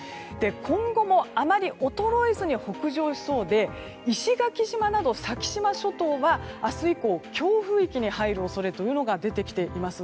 今後もあまり衰えずに北上しそうで石垣島など先島諸島は明日以降、強風域に入る恐れが出てきています。